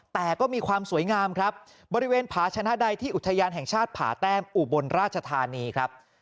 แต่ก็มีความสวยงามครับบริเวณผาชนะใดที่อุทยานแห่งชาติผาแต้มอุบลราชธานีครับ